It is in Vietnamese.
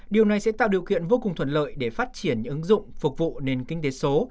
điều này sẽ tạo điều kiện vô cùng thuận lợi để phát triển ứng dụng phục vụ nền kinh tế số